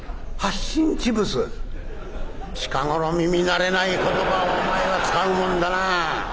近頃耳慣れない言葉をお前は使うもんだなぁ。